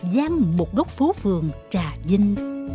giam một góc phố phường trà vinh